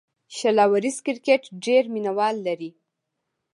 شل اوریز کرکټ ډېر مینه وال لري.